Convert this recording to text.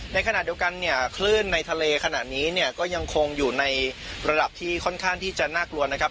ในขณะเดียวกันเนี่ยคลื่นในทะเลขณะนี้เนี่ยก็ยังคงอยู่ในระดับที่ค่อนข้างที่จะน่ากลัวนะครับ